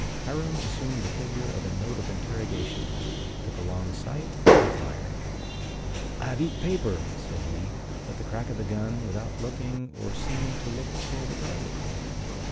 Hiram assumed the figure of a note of interrogation, took a long sight, and fired. "I've eat paper," said he, at the crack of the gun, without looking, or seeming to look, toward the target.